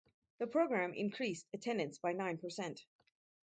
The program increased attendance by nine percent.